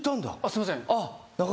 すいません